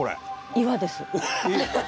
岩です。